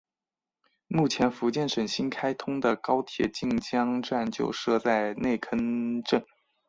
目前福建省新开通的高铁晋江站就设在内坑镇。